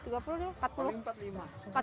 tiga puluh gak dapat